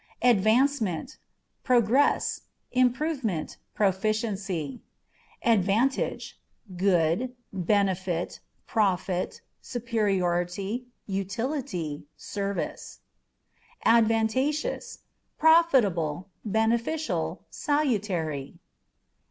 Advancement â€" progress, improvement, proficiency. Advantageâ€" good, benefit, profit, superiority, utility, service. Advantageousâ€" profitable, beneficial, salutary.